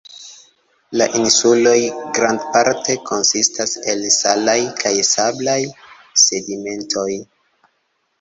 La insuloj grandparte konsistas el salaj kaj sablaj sedimentoj.